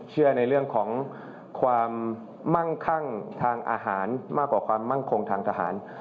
ในเรื่องของความมั่งคั่งทางอาหารมากกว่าความมั่งคงทางทหาร